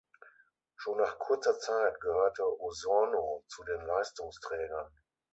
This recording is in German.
Schon nach kurzer Zeit gehörte Osorno zu den Leistungsträgern.